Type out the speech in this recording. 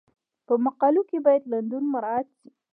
په مقالو کې باید لنډون مراعات شي.